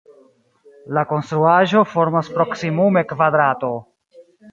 La konstruaĵo formas proksimume kvadrato.